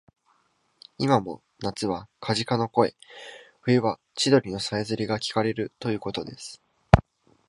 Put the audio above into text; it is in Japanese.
いまも夏はカジカの声、冬は千鳥のさえずりがきかれるということです